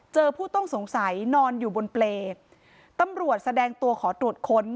ผู้ต้องสงสัยนอนอยู่บนเปรย์ตำรวจแสดงตัวขอตรวจค้น